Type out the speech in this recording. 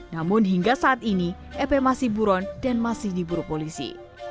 namun hingga saat ini ep masih buron dan masih diburu polisi